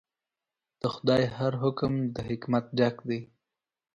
د خدای هر حکم د حکمت ډک دی.